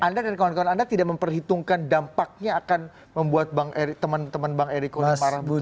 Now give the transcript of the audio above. anda dan kawan kawan anda tidak memperhitungkan dampaknya akan membuat teman teman bang eriko yang parah betul gitu